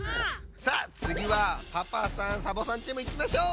さあつぎはパパさんサボさんチームいきましょう！